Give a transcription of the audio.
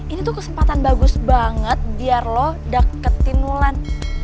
ini tuh kesempatan bagus banget biar lo dapetin wulan